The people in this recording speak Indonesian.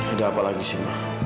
ada apa lagi sih